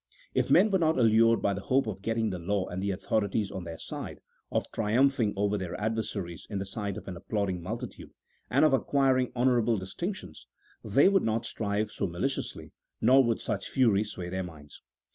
If men were not allured by the hope of getting the law and the authorities on their side, of triumphing over their adversaries in the sight of an applauding multitude, and of acquiring honourable distinctions, they would not strive so maliciously, nor would such fury sway their minds.